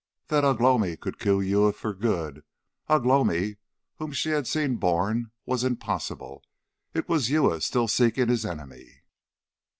That Ugh lomi could kill Uya for good Ugh lomi whom she had seen born was impossible. It was Uya still seeking his enemy!